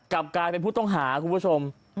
กลับกลายเป็นผู้ต้องหาคุณผู้ชม